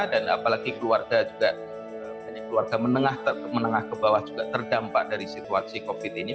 dan apalagi keluarga juga keluarga menengah ke bawah juga terdampak dari situasi covid ini